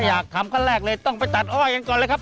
อยากทำขั้นแรกเลยต้องไปตัดอ้อยเองก่อนเลยครับ